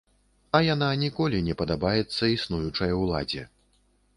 А яна ніколі не падабаецца існуючай уладзе.